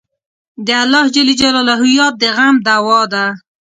د الله یاد د غم دوا ده.